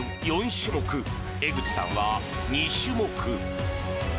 ４種目、江口さんは２種目。